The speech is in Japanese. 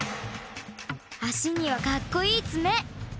あしにはかっこいいつめ。